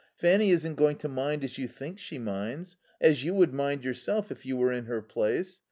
Fanny isn't going to mind as you think she minds. As you would mind yourself if you were in her place.